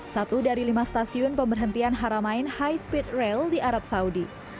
satu dari lima stasiun pemberhentian haramain high speed rail di arab saudi